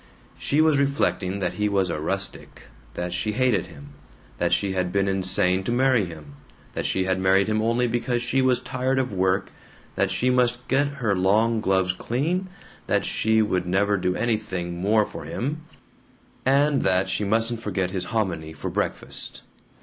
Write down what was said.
She was reflecting that he was a rustic, that she hated him, that she had been insane to marry him, that she had married him only because she was tired of work, that she must get her long gloves cleaned, that she would never do anything more for him, and that she mustn't forget his hominy for breakfast.